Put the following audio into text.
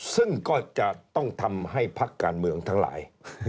ซึ่งก็จะต้องทำให้พักการเมืองทั้งหลาย